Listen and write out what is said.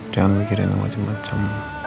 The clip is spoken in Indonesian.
jangan mikirin macam macam